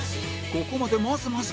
ここまでまずまず